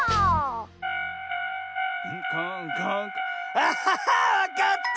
ああっわかった！